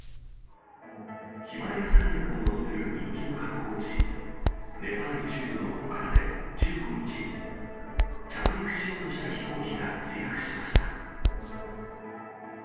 ヒマラヤ山脈が望める人気の観光地、ネパール中部のポカラで１５日、着陸しようとした飛行機が墜落しました。